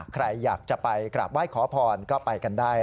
ใครอยากจะไปกลับไว้ขอผ่อนก็ไปกันได้